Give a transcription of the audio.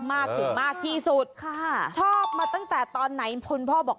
มากถึงมากที่สุดค่ะชอบมาตั้งแต่ตอนไหนคุณพ่อบอก